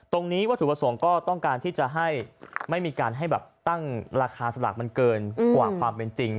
วัตถุประสงค์ก็ต้องการที่จะให้ไม่มีการให้แบบตั้งราคาสลากมันเกินกว่าความเป็นจริง